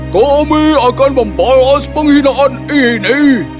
kami akan membalas penghinaan ini